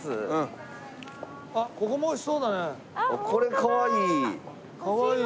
これかわいい。